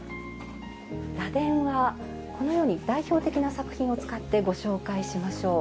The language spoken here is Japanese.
螺鈿はこのように代表的な作品を使ってご紹介しましょう。